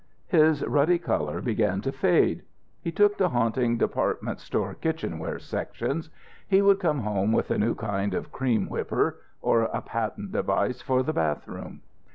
His ruddy colour began to fade. He took to haunting department store kitchenware sections. He would come home with a new kind of cream whipper, or a patent device for the bathroom.